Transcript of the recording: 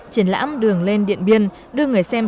triển lãm đường lên điện biên đưa người xem